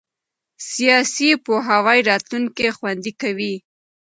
سیاسي پوهاوی راتلونکی خوندي کوي